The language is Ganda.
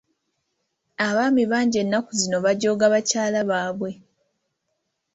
Abaami bangi ennaku zino bajooga bakyala baabwe.